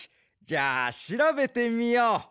じゃあしらべてみよう。